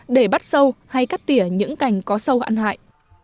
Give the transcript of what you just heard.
để bắt sâu hay cắt tỉa những cành có sâu ăn hại